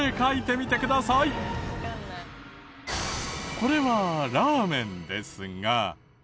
これはラーメンですが。